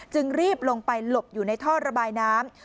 จึงรีบลงไปหลบอยู่ในท่อระบายน้ำ